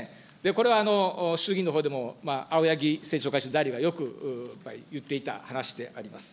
これは衆議院のほうでもあおやぎ政調会長代理がよく言っていた話であります。